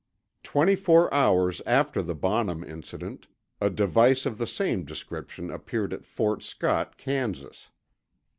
Twenty four hours after the Bonham incident, a device of the same description appeared at Fort Scott, Kansas.